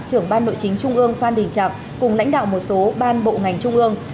trưởng ban nội chính trung ương phan đình trạc cùng lãnh đạo một số ban bộ ngành trung ương